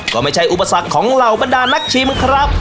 ก็ไม่ใช่อุปสรรคของเหล่าบรรดานักชิมครับ